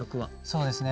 そうですね